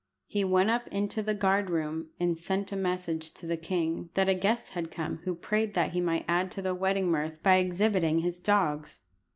He went up into the guard room, and sent a message to the king that a guest had come who prayed that he might add to the wedding mirth by exhibiting his dogs.